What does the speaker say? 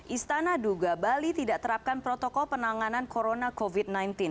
istana duga bali tidak terapkan protokol penanganan corona covid sembilan belas